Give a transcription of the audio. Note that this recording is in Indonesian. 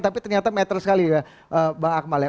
tapi ternyata matter sekali ya bang akmal ya